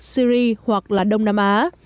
syria hoặc đông nam á